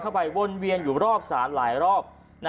วนเวียนอยู่รอบศาลหลายรอบ